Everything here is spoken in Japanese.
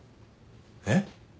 えっ？